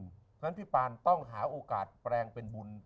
เพราะฉะนั้นพี่ปานต้องหาโอกาสแปลงเป็นบุญ